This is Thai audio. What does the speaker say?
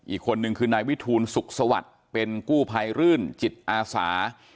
อีกคนนึงคือนายวิทูลสุขสวัสดิ์เป็นกู้ภัยรื่นจิตอาสา